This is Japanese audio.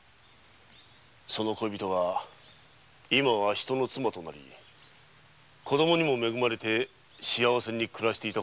その恋人が今は人の妻となり子供にも恵まれて幸せに暮らしていた事もな。